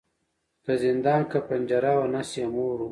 که زندان که پنجره وه نس یې موړ وو